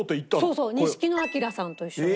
そうそう錦野旦さんと一緒に。